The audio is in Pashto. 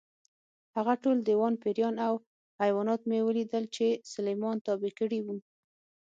هغه ټول دیوان، پېریان او حیوانات مې ولیدل چې سلیمان تابع کړي وو.